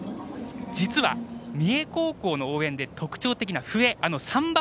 実は、三重高校の応援で特徴的な笛サンバ